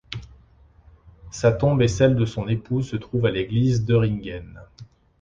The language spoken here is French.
Sa tombe et celle de son époux se trouvent à l'église d'Öhringen.